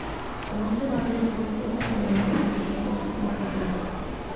Samice má dvě samostatné dělohy a dvě samostatné pochvy.